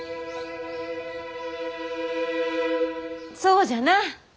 そうじゃな。